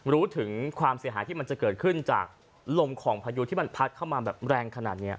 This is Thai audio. รู้ถึงความเสียหายที่มันจะเกิดขึ้นจากลมของพายุที่มันพัดเข้ามาแบบแรงขนาดนี้